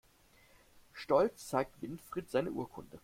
Stolz zeigt Winfried seine Urkunde.